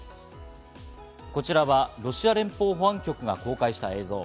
こちらはロシア連邦保安局が公開した映像。